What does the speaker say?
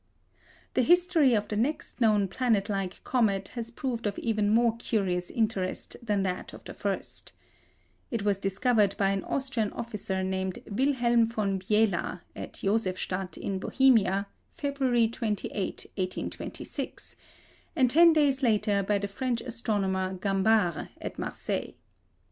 The history of the next known planet like comet has proved of even more curious interest than that of the first. It was discovered by an Austrian officer named Wilhelm von Biela at Josephstadt in Bohemia, February 27, 1826, and ten days later by the French astronomer Gambart at Marseilles.